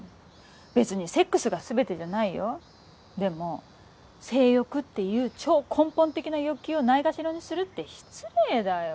別にセックスが全てじゃないよでも性欲っていう超根本的な欲求をないがしろにするって失礼だよ